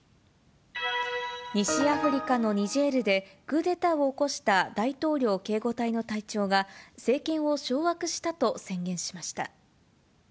西アフリカのニジェールで、クーデターを起こした大統領警護隊の隊長が政権を掌握したと宣言しました。